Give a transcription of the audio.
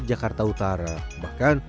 jakarta utara bahkan